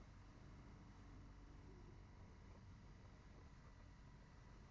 কিন্তু সহজ এবং বিশ্বের বিষয় জানি না।